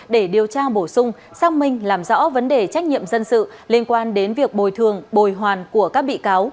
để điều tra bổ sung xác minh làm rõ vấn đề trách nhiệm dân sự liên quan đến việc bồi thường bồi hoàn của các bị cáo